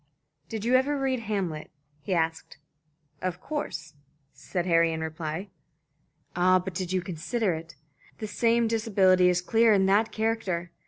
"Did you ever read 'Hamlet'?" he asked. "Of course," said Harry, in reply. "Ah, but did you consider it? The same disability is clear in that character.